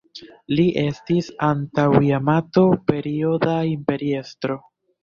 Li estis Antaŭ-Jamato-Perioda imperiestro.